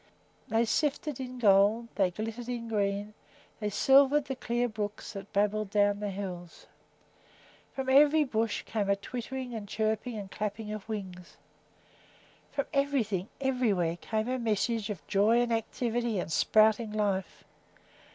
They sifted in gold, they glittered in green, they silvered the clear brooks that babbled down the hills. From every bush came a twittering and chirping and clapping of wings. From everything, everywhere, came a message of joy and activity and sprouting life.